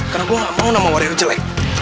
karena gue nggak mau nama wario jelek